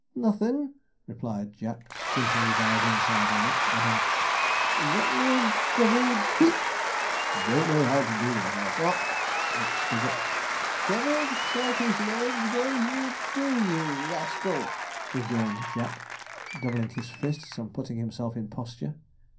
'Nothin',' replied Jack, squinting his eyes inside out; adding, 'get me a devilled. ' 'Don't know how to do them here, sir,' snapped Spigot. 'Devilled turkey's leg though you do, you rascal!' rejoined Jack, doubling his fists and putting himself in posture.